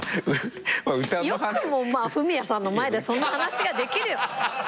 よくもまあフミヤさんの前でその話ができる。